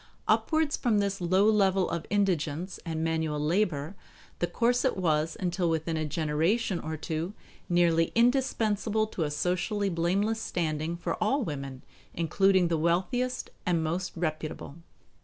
Upwards from this low level of indigence and manual labor, the corset was until within a generation or two nearly indispensable to a socially blameless standing for all women, including the wealthiest and most reputable.